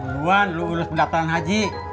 luan lu urus pendapatan haji